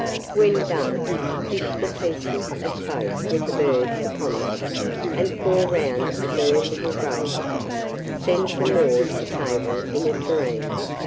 When done, dish the pieces of toast with the birds upon them, and pour round a very little gravy; send some more to table in a tureen.